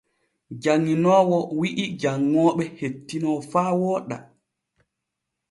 Janŋinoowo wi’i janŋooɓe hettino faa wooɗa.